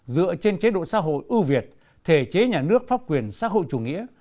dựa trên chế độ xã hội ưu việt thể chế nhà nước pháp quyền xã hội chủ nghĩa